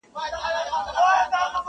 دا کيسه درس ورکوي ډېر,